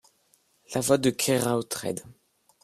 La voix de Keraotred.